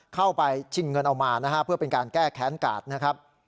เข้าไปชิงเงินเอามานะฮะเพื่อเป็นการแก้แค้นกาดนะครับ